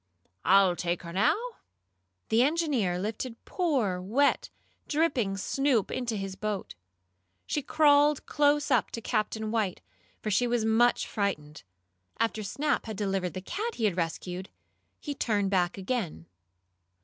"I'll take her now." The engineer lifted poor, wet, dripping Snoop into his boat. She crawled close up to Captain White, for she was much frightened. After Snap had delivered the cat he had rescued, he turned back again.